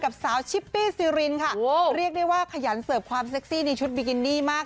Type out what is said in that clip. กับสาวชิปปี้ซีรินค่ะเรียกได้ว่าขยันเสิร์ฟความเซ็กซี่ในชุดบิกินี่มาก